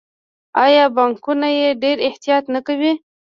آیا بانکونه یې ډیر احتیاط نه کوي؟